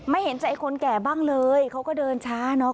เห็นใจคนแก่บ้างเลยเขาก็เดินช้าเนอะ